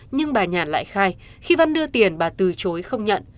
nhưng bà nhàn lại khai khi văn đưa tiền bà từ chối không nhận